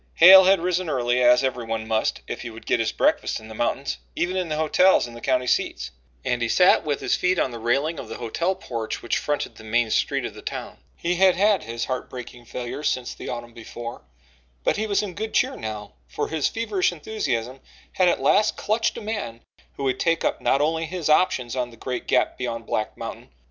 Hale had risen early, as everyone must if he would get his breakfast in the mountains, even in the hotels in the county seats, and he sat with his feet on the railing of the hotel porch which fronted the main street of the town. He had had his heart breaking failures since the autumn before, but he was in good cheer now, for his feverish enthusiasm had at last clutched a man who would take up not only his options on the great Gap beyond Black Mountain but on the cannel coal lands of Devil Judd Tolliver as well.